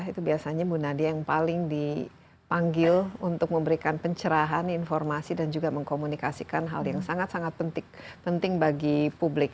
itu biasanya bu nadia yang paling dipanggil untuk memberikan pencerahan informasi dan juga mengkomunikasikan hal yang sangat sangat penting bagi publik